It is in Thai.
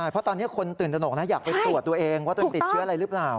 เพราะตอนนี้คนตื่นตนกนะอยากไปตรวจตัวเองว่าตัวเองติดเชื้ออะไรหรือเปล่า